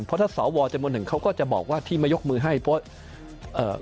เพราะถ้าสอวจม๑เขาก็จะบอกว่าที่มายกมือให้เพราะ